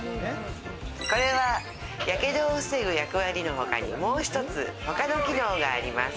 これは火傷を防ぐ役割のほかにもう一つ、他の機能があります。